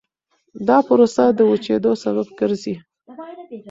دا پروسه د وچېدو سبب ګرځي.